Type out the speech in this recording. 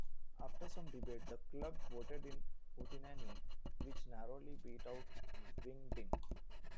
After some debate the club voted in "hootenanny", which narrowly beat out "wingding".